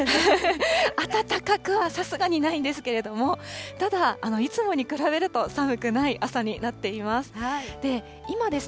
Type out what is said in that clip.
暖かくは、さすがにないんですけれども、ただ、いつもに比べると寒くない朝になっています。